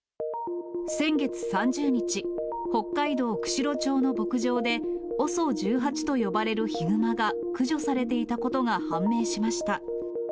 先月３０日、北海道釧路町の牧場で、ＯＳＯ１８と呼ばれるヒグマが駆除されていたことが判明しました。